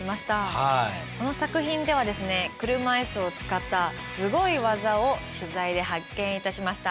この作品ではですね車いすを使ったすごい技を取材で発見いたしました。